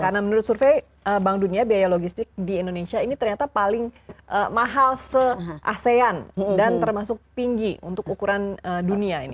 karena menurut survei bank dunia biaya logistik di indonesia ini ternyata paling mahal se asean dan termasuk tinggi untuk ukuran dunia ini